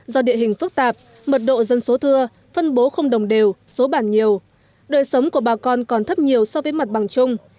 do địa hình phức tạp mật độ dân số thưa phân bố không đồng đều số bản nhiều đời sống của bà con còn thấp nhiều so với mặt bằng chung